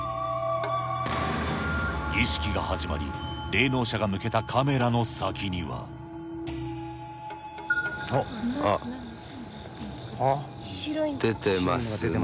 儀式が始まり、霊能者が向けたカメラの先には。あっ。出てますね。